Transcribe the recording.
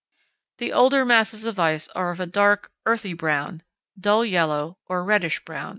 The older masses of ice are of a dark earthy brown, dull yellow, or reddish brown."